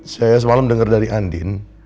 saya semalam dengar dari andin